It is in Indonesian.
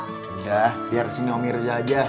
udah biar sini om irza aja